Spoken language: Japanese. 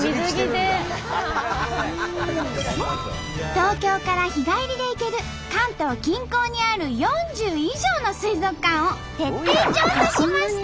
東京から日帰りで行ける関東近郊にある４０以上の水族館を徹底調査しました！